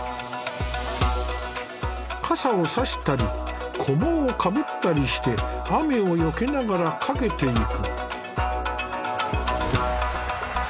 傘を差したり菰をかぶったりして雨をよけながら駆けていく。